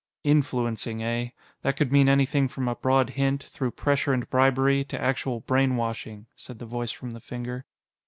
"'Influencing,' eh? That could mean anything from a broad hint, through pressure and bribery, to actual brainwashing," said the voice from the finger.